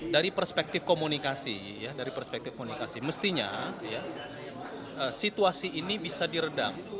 dari perspektif komunikasi mestinya situasi ini bisa diredam